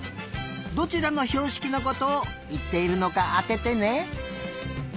どちらのひょうしきのことをいっているのかあててね。